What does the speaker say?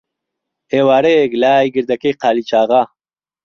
ئێوارەیەک، لای گردەکەی قالیچاغا،